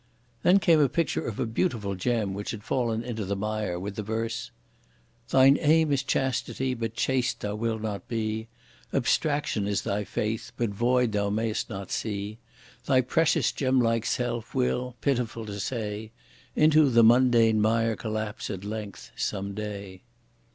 Then came a picture of a beautiful gem, which had fallen into the mire, with the verse: Thine aim is chastity, but chaste thou wilt not be; Abstraction is thy faith, but void thou may'st not see; Thy precious, gemlike self will, pitiful to say, Into the mundane mire collapse at length some day.